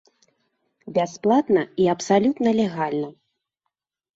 Бясплатна і абсалютна легальна.